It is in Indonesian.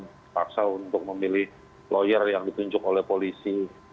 terpaksa untuk memilih lawyer yang ditunjuk oleh polisi